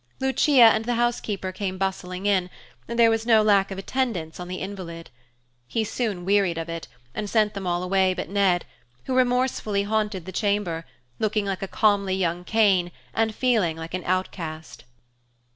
Lucia and the housekeeper came bustling in, and there was no lack of attendance on the invalid. He soon wearied of it, and sent them all away but Ned, who remorsefully haunted the chamber, looking like a comely young Cain and feeling like an outcast.